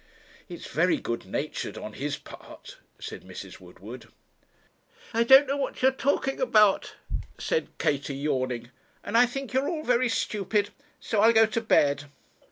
'It's very good natured on his part,' said Mrs. Woodward. 'I don't know what you are talking about,' said Katie, yawning, 'and I think you are all very stupid; so I'll go to bed.'